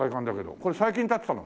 これ最近建てたの？